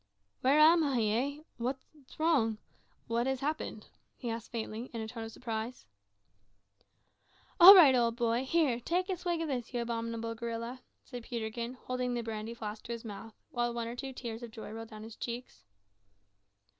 "Where am I, eh? Why, what's wrong? what has happened?" he asked faintly, in a tone of surprise. "All right, old boy. Here, take a swig of this, you abominable gorilla," said Peterkin, holding the brandy flask to his mouth, while one or two tears of joy rolled down his cheeks.